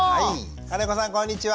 金子さんこんにちは。